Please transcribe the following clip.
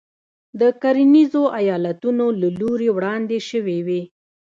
د کرنیزو ایالتونو له لوري وړاندې شوې وې.